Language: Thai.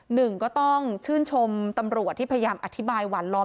หนึ่งก็ต้องชื่นชมตำรวจที่พยายามอธิบายหวานล้อม